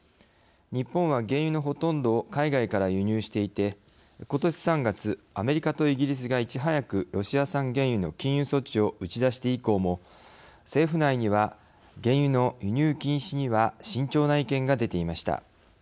日本は原油のほとんどを海外から輸入していて今年３月アメリカとイギリスがいち早くロシア産原油の禁輸措置を打ち出して以降も政府内には原油の輸入禁止には慎重な意見が出ていました。